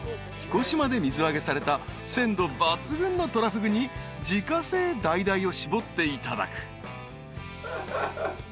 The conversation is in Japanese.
［彦島で水揚げされた鮮度抜群のトラフグに自家製ダイダイを搾っていただく］